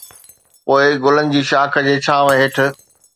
پوء گلن جي شاخ جي ڇانو هيٺ